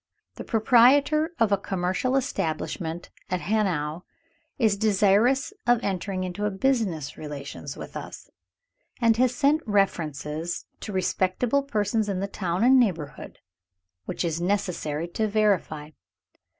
The proprietor of a commercial establishment at Hanau is desirous of entering into business relations with us, and has sent references to respectable persons in the town and neighborhood, which it is necessary to verify.